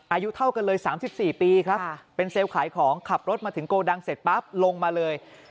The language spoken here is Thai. อายุเท่ากันเลย๓๔ปีครับเป็นเซลล์ขายของขับรถมาถึงโกดังเสร็จปั๊บลงมาเลย